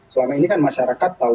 selama ini kan masyarakat tahu